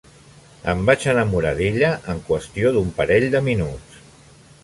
Em vaig enamorar d'ella en qüestió d'un parell de minuts.